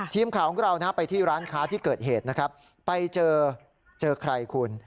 ทีมข่าวของเราไปที่ร้านค้าที่เกิดเหตุนะครับไปเจอเจอใครคุณ